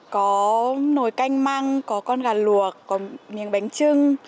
có nồi canh măng có con gà luộc có miếng bánh chưng